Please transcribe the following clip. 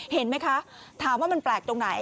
เห็นไหมคะถามว่ามันแปลกตรงไหน